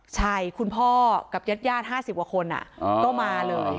ใช่คุณพ่อกับญาติญาติห้าสิบกว่าคนอ่ะก็มาเลย